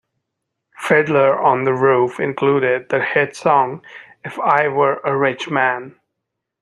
"Fiddler on the Roof" included the hit song "If I Were a Rich Man".